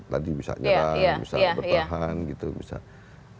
tadi bisa nyerang bisa bertahan